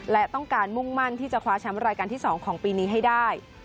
และต้องการมุ่งมั่นที่จะคว้าแชมป์รายการที่๒ของปีนี้ให้ได้